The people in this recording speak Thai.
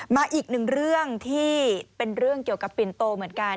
มาอีกหนึ่งเรื่องที่เป็นเรื่องเกี่ยวกับปิ่นโตเหมือนกัน